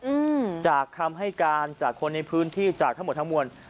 อืมจากคำให้การจากคนในพื้นที่จากทั้งหมดทั้งมวล